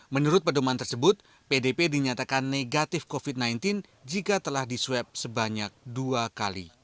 menurut pedoman tersebut pdp dinyatakan negatif covid sembilan belas jika telah disweb sebanyak dua kali